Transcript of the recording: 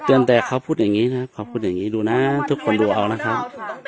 แต่เขาพูดอย่างนี้นะเขาพูดอย่างนี้ดูนะทุกคนดูเอานะครับ